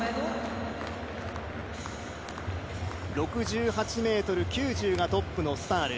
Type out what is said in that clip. ６８ｍ９０がトップのスタール。